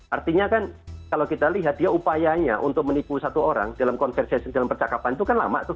artinya kan kalau kita lihat dia upayanya untuk menipu satu orang dalam konversi dalam percakapan itu kan lama tuh